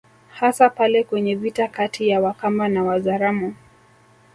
Hasa pale kwenye vita kati ya Wakamba na Wazaramo